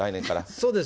そうです。